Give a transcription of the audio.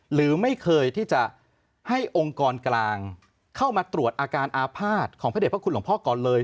หรือไม่เคยที่จะให้องค์กรกลางเข้ามาตรวจอาการอาภาษณ์ของพระเด็จพระคุณหลวงพ่อก่อนเลย